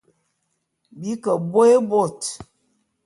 Bi ke bôé bôt.